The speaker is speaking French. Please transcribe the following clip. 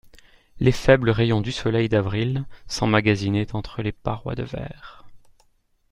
Les faibles rayons du soleil d’avril s’emmagasinaient entre les parois de verre.